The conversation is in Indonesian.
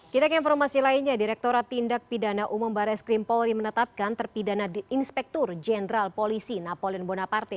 kita ke informasi lainnya direkturat tindak pidana umum barai skrim polri menetapkan terpidana inspektur jenderal polisi napolen bonaparte